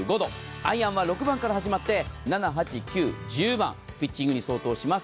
アイアンは６番から始まって、７、８、９、１０番、ピッチングに相当します。